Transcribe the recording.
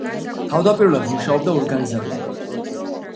თავდაპირველად მუშაობდა ორგანიზატორად.